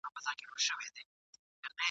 زه نه خوشحال یم زه نه رحمان یم ..